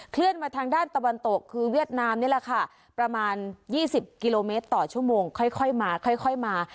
เลื่อนมาทางด้านตะวันตกคือเวียดนามนี่แหละค่ะประมาณ๒๐กิโลเมตรต่อชั่วโมงค่อยมาค่อยมา